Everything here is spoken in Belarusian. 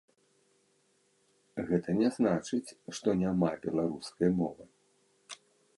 Гэта не значыць, што няма беларускай мовы.